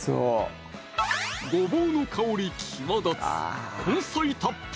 ごぼうの香り際立つ